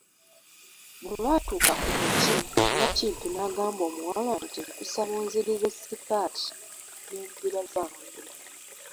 Bwebaatuka ku muti, Nakintu n'agamba omuwala nti, nkusaba onzirize sikaati n'embira zange.